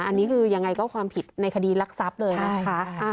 อันนี้คือยังไงก็ความผิดในคดีรักทรัพย์เลยนะคะ